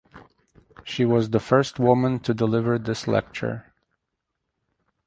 She was the first woman to deliver this lecture.